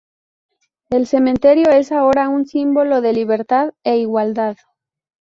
El cementerio es ahora un símbolo de libertad e igualdad.